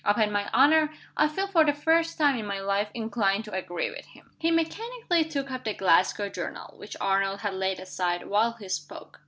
Upon my honor, I feel for the first time in my life inclined to agree with him." He mechanically took up the Glasgow journal, which Arnold had laid aside, while he spoke.